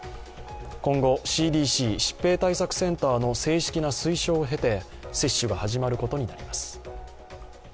今後、ＣＤＣ＝疾病対策センターの正式な推奨を経て接種が始まることになります。